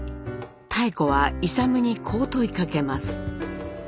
妙子は勇にこう問いかけます。